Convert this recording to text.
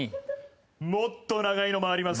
もっと長いのもあります。